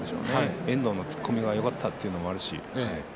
遠藤の突っ込みがよかったというのもあるし。